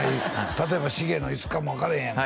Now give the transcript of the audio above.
例えばシゲのイスかも分からへんやんか